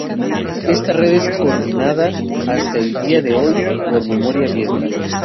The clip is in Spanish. Esta red es coordinada, hasta el día de hoy, por Memoria Abierta.